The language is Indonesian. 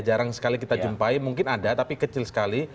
jarang sekali kita jumpai mungkin ada tapi kecil sekali